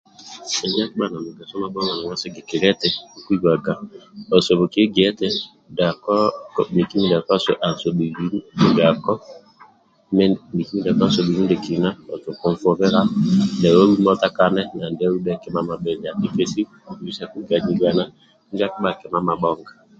Injo akibhaga mugaso mabhonga nanga sigikilia eti osoboki gia eti dako miki mindiako ansobhilila kima dhelu uma atakane na andiahu dhe kima mabhinjo kibiseku ganyiliana ndia akibhaga kima mabhonga